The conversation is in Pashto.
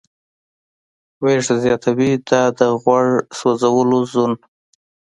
میرټ زیاتوي، دا د "غوړ سوځولو زون